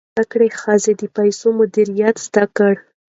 زده کړه ښځه د پیسو مدیریت زده کړی.